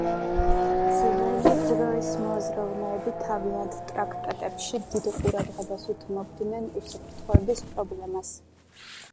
ძველი დროის მოაზროვნეები თავიანთ ტრაქტატებში დიდ ყურადღებას უთმობდნენ უსაფრთხოების პრობლემას.